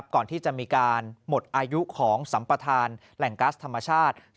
ก่อนที่จะมีการหมดอายุของสัมปทานแหล่งกัสธรรมชาติ